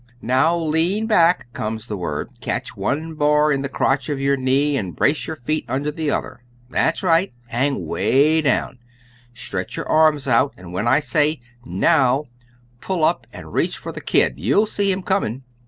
"Now lean back," comes the word; "catch one bar in the crotch of your knees and brace your feet under the other. That's right. Hang 'way down. Stretch your arms out, and when I say, 'Now,' pull up and reach for the 'kid' you'll see him coming."